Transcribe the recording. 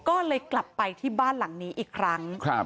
ก็เลยกลับไปที่บ้านหลังนี้อีกครั้ง